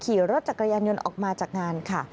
ขี่รถจักรยานยนต์ออกมาจากงานค่ะ